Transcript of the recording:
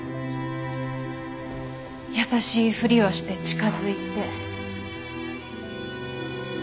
優しいふりをして近づいて。